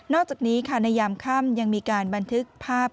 นอกจากนี้ฆานยามข้ามยังมีการบันทึกภาพ